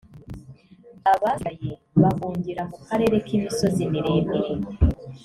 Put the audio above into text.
abasigaye bahungira mu karere k imisozi miremire